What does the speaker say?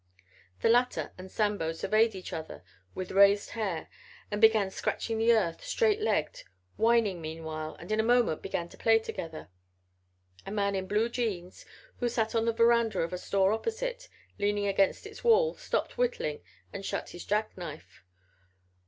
The latter and Sambo surveyed each other with raised hair and began scratching the earth, straight legged, whining meanwhile, and in a moment began to play together. A man in blue jeans who sat on the veranda of a store opposite, leaning against its wall, stopped whittling and shut his jacknife.